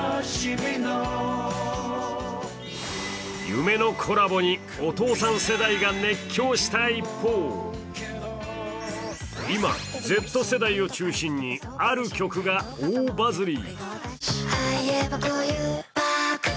夢のコラボにお父さん世代が熱狂した一方今、Ｚ世代を中心にある曲が大バズり。